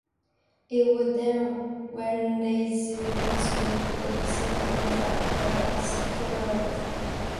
It would then rendezvous with, observe, and track the asteroid.